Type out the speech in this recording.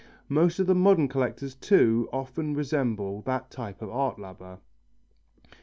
Most of the modern collectors too often resemble that type of art lover